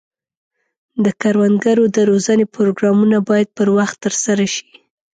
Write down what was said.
د کروندګرو د روزنې پروګرامونه باید پر وخت ترسره شي.